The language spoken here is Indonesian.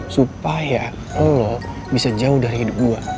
supaya allah bisa jauh dari hidup gua